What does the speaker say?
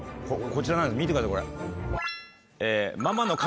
こちらなんです見てくださいこれ。